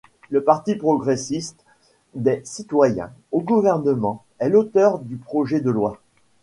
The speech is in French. Le Parti progressiste des citoyens, au gouvernement, est l'auteur du projet de loi.